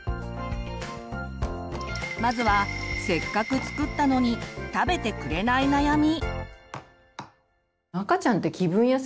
まずはせっかく作ったのに食べてくれない悩み。